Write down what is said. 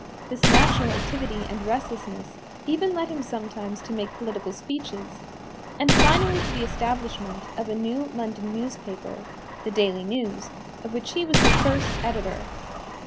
This natural activity and restlessness even led him sometimes to make political speeches, and finally to the establishment of a new London newspaper the Daily News of which he was the first editor.